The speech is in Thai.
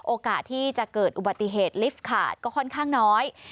โอกาสที่จะเกิดอุบัติเหตุลิฟต์ขาดก็ค่อนข้างน้อย